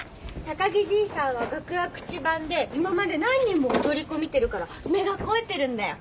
高木じいさんは楽屋口番で今まで何人も踊り子見てるから目が肥えてるんだよ。